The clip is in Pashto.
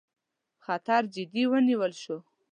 خطر جدي ونیول شي.